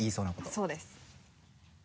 そうです。